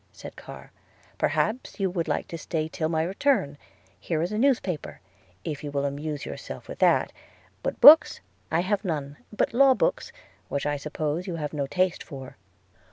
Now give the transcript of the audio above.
said Carr: 'Perhaps you would like to stay till my return – here is a newspaper, if you will amuse yourself with that; but books I have none, but law books, which I suppose you have no taste for.'